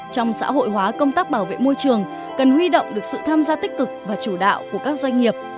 trong xã hội hóa công tác bảo vệ môi trường cần huy động được sự tham gia tích cực và chủ đạo của các doanh nghiệp